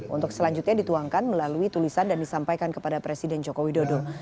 untuk selanjutnya dituangkan melalui tulisan dan disampaikan kepada presiden joko widodo